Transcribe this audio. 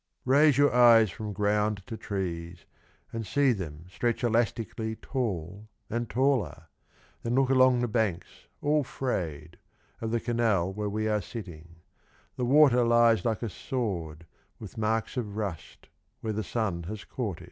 Raise your eyes from ground to trees And see them stretch elastically Tall and taller, — then look along The banks all frayed of the canal Where we are sitting, — the water Lies like a sword With marks of rust Where the sun has caught it.